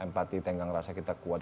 empati tengah ngerasa kita kuat